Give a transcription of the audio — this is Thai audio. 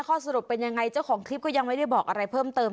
ข้อสรุปเป็นยังไงเจ้าของคลิปก็ยังไม่ได้บอกอะไรเพิ่มเติม